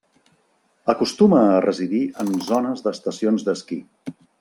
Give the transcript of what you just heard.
Acostuma a residir en zones d'estacions d'esquí.